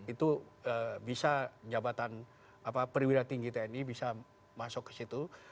itu bisa jabatan perwira tinggi tni bisa masuk ke situ